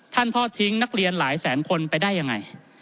ทอดทิ้งนักเรียนหลายแสนคนไปได้ยังไง